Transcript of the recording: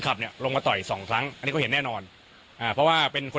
ขับเนี่ยลงมาต่ออีก๒ครั้งนี่ก็เห็นแน่นอนเพราะว่าเป็นคน